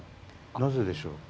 なぜでしょう？